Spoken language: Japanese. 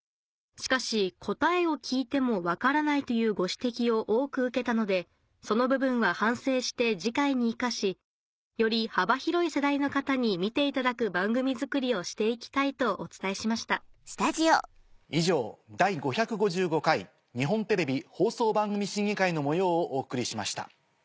「しかし『答えを聞いても分からない』というご指摘を多く受けたのでその部分は反省して次回に生かしより幅広い世代の方に見ていただく番組作りをして行きたい」とお伝えしました以上「第５５５回日本テレビ放送番組審議会」の模様をお送りしました。